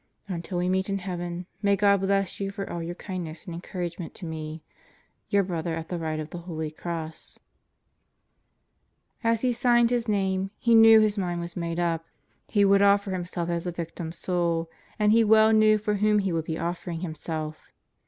Until we meet in Heaven, may God bless you for all your kind ness and encouragement to me. Your brother at the right of the Holy Cross. ... As he signed Ms name, he knew his mind was made up: he Christmas Gifts 147 would offer himself as a Victim Soul; and he well knew for whom he would be offering himself!